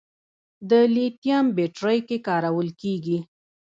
د لیتیم بیټرۍ کې کارول کېږي.